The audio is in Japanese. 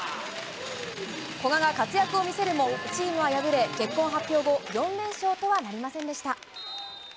古賀が活躍を見せるも、チームは敗れ、結婚発表後４連勝とはなりませんでした。